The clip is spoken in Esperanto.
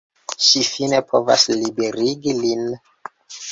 Ŝi fine povas liberigi lin.